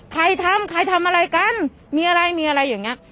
ใครทำใครทำอะไรกันมีอะไรมีอะไรอย่างนี้